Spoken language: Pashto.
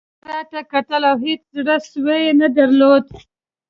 عسکر راته کتل او هېڅ زړه سوی یې نه درلود